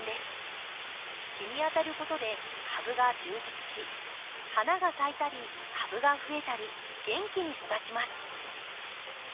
日に当たることで株が充実し花が咲いたり株が増えたり元気に育ちます。